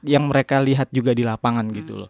yang mereka lihat juga di lapangan